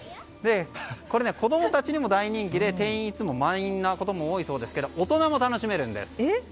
これは、子供たちにも大人気で、定員が満員のことも多いそうですが大人も楽しめるんです。